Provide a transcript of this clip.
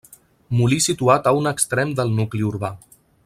Molí situat a un extrem del nucli urbà.